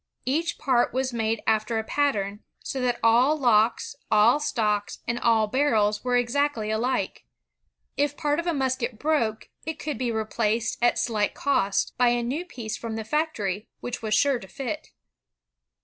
Each part was made after a pattern, so that all locks, all stocks, and all barrels were exactly alike. If part of a musket broke, it could be replaced at slight cost, by a new piece from the factory, which was sure to fit.